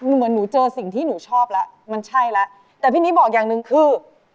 เหมือนหนูเจอสิ่งที่หนูชอบแล้วมันใช่แล้วแต่พี่นิดบอกอย่างหนึ่งคือ